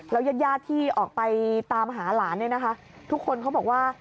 แล้วยาดที่ออกไปตามหาหลานทุกคนเขาบอกว่า